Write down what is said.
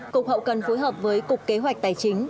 cục hậu cần phối hợp với cục kế hoạch tài chính